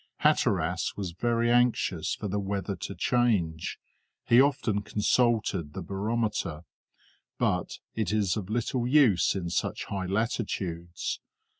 Hatteras was very anxious for the weather to change; he often consulted the barometer, but it is of little use in such high latitudes.